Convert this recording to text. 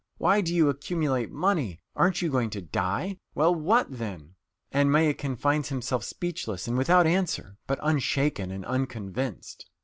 Why do you accumulate money? Aren't you going to die? Well, what then?" And Mayakin finds himself speechless and without answer, but unshaken and unconvinced.